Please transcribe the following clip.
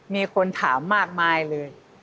มีคนถามมากมายเลย